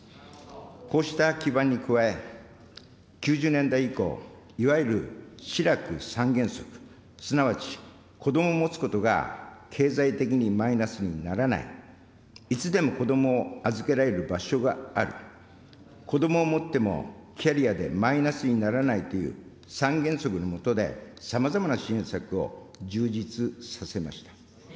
こうした基盤に加え、９０年代以降、いわゆるシラク３原則、すなわち子どもを持つことが経済的にマイナスにならない、いつでも子どもを預けられる場所がある、子どもを持ってもキャリアでマイナスにならないという、３原則のもとで、さまざまな支援策を充実させました。